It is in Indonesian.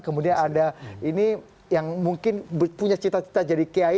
kemudian ada ini yang mungkin punya cita cita jadi kiai